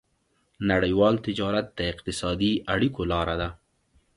نړيوال تجارت د اقتصادي اړیکو لاره ده.